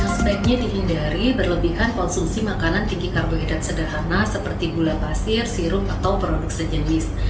sebaiknya dihindari berlebihan konsumsi makanan tinggi karbohidrat sederhana seperti gula pasir sirup atau produk sejenis